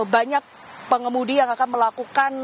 banyak pengemudi yang akan melakukan